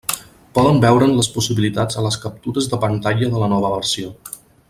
Podeu veure'n les possibilitats a les captures de pantalla de la nova versió.